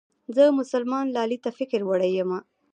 زه مسلمان لالي ته فکر وړې يمه